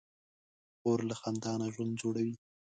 خور له خندا نه ژوند جوړوي.